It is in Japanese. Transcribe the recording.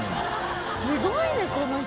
すごいねこの人。